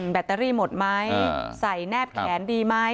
แบตเตอรี่หมดไหมใส่แนบแขนดีไหม